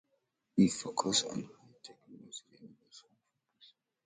It focuses on high-tech industries, innovation, and finance.